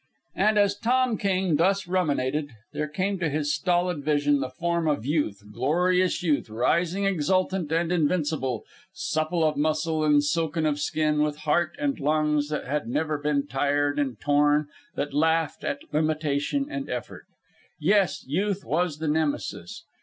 And, as Tom King thus ruminated, there came to his stolid vision the form of Youth, glorious Youth, rising exultant and invincible, supple of muscle and silken of skin, with heart and lungs that had never been tired and torn and that laughed at limitation of effort. Yes, Youth was the Nemesis.